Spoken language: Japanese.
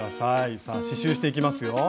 さあ刺しゅうしていきますよ。